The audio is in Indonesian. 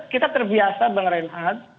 kita terbiasa mengerin hat